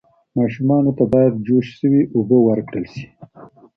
ماشومانو ته باید جوش شوې اوبه ورکړل شي.